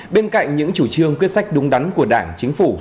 bên cạnh những chủ trương quyết sách đúng đắn của đảng chính phủ